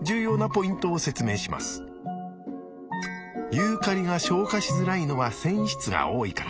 ユーカリが消化しづらいのは繊維質が多いから。